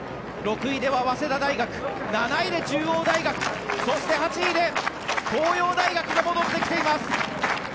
６位では早稲田大学７位で中央大学そして、８位で東洋大学が戻ってきています。